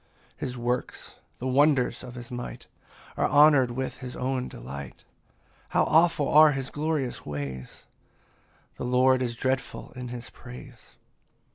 25 His works, the wonders of his might, Are honour'd with his own delight: How awful are his glorious ways! The Lord is dreadful in his praise.